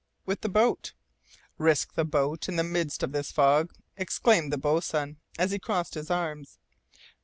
"With the boat." "Risk the boat in the midst of this fog!" exclaimed the boatswain, as he crossed his arms.